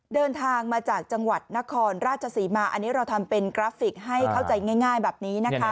เดินทางมาจากจังหวัดนครราชศรีมาอันนี้เราทำเป็นกราฟิกให้เข้าใจง่ายแบบนี้นะคะ